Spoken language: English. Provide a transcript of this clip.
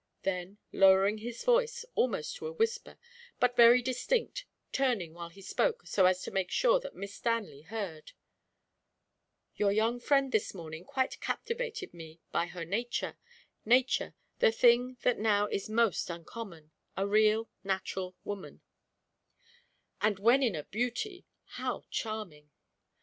Then, lowering his voice almost to a whisper, but very distinct, turning while he spoke so as to make sure that Miss Stanley heard "Your young friend this morning quite captivated me by her nature nature, the thing that now is most uncommon, a real natural woman; and when in a beauty, how charming!